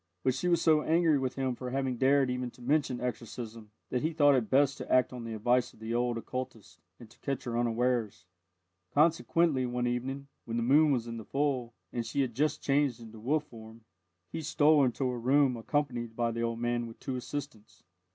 But she was so angry with him for having dared even to mention exorcism, that he thought it best to act on the advice of the old occultist and to catch her unawares. Consequently, one evening, when the moon was in the full, and she had just changed into wolf form, he stole into her room accompanied by the old man and two assistants.